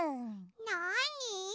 なに？